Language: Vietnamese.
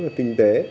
rất là kinh tế